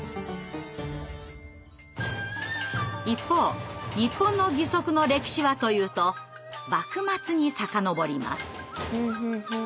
一方日本の義足の歴史はというと幕末に遡ります。